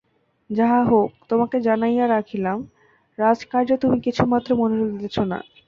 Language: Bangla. যাহা হউক, তােমাকে জানাইয়া রাখিলাম, রাজকার্যে তুমি কিছুমাত্র মনােযােগ দিতেছ না।